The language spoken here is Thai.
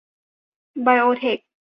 ไบโอเทค